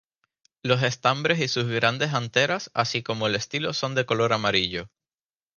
Los estambres y sus grandes anteras así como el estilo son de color amarillo.